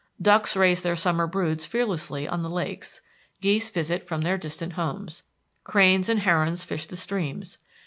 Ducks raise their summer broods fearlessly on the lakes. Geese visit from their distant homes. Cranes and herons fish the streams.